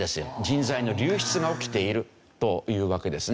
人材の流出が起きているというわけですね。